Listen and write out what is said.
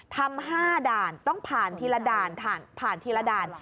ทำ๕ด่านต้องผ่านทีละด่านผ่านทีละด่าน